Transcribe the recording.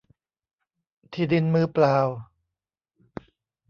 ที่ดินมือเปล่า